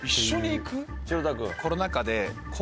城田君。